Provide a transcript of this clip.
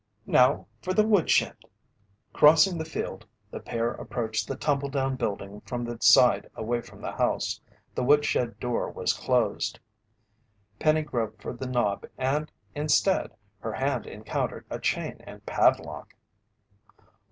"Now for the woodshed!" Crossing the field, the pair approached the tumbledown building from the side away from the house. The woodshed door was closed. Penny groped for the knob and instead, her hand encountered a chain and padlock.